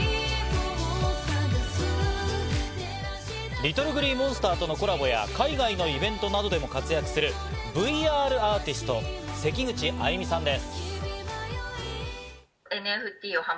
ＬｉｔｔｌｅＧｌｅｅＭｏｎｓｔｅｒとのコラボや海外のイベントなどでも活躍するＶＲアーティスト、せきぐちあいみさんです。